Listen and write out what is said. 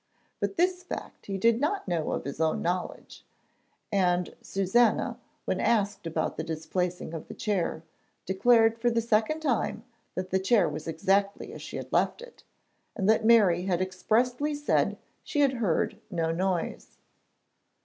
But this fact he did not know of his own knowledge, and Susannah, when asked about the displacing of the chair, declared for the second time that the chair was exactly as she had left it, and that Mary had expressly said she had heard no noise.